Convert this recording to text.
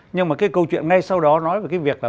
nhưng mà cái câu chuyện ngay sau đó nói về cái việc là